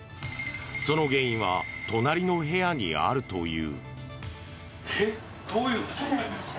その原因は隣の部屋にあるという。